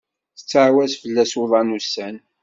Tettɛawaz fellas uḍan ussan.